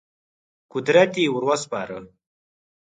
قدرت یې ور وسپاره.